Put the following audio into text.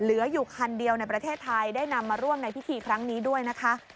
เหลืออยู่คันเดียวในประเทศไทยได้นำมาร่วมในพิธีครั้งนี้ด้วยนะคะ